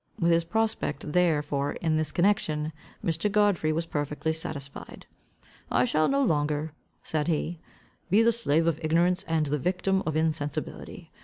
With his prospect therefore in this connection, Mr. Godfrey was perfectly satisfied. "I shall no longer," said he, "be the slave of ignorance, and the victim of insensibility.